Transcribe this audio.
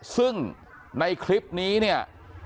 ซึ่งในคลิปนี้เนี่ย